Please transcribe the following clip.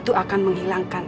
tujuan untuk sel mentor app